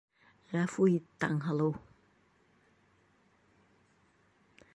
Ғәфү ит, Таңһылыу!